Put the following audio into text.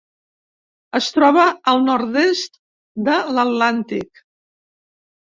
Es troba al nord-est de l'Atlàntic: